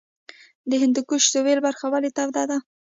د هندوکش سویلي برخه ولې توده ده؟